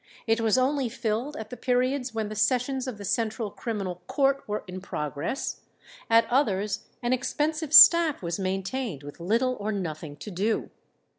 It was only filled at the periods when the sessions of the Central Criminal Court were in progress; at others an expensive staff was maintained with little or nothing to do.